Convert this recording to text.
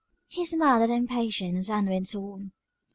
He smiled at her impatience, and went on.